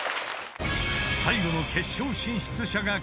［最後の決勝進出者が決まる］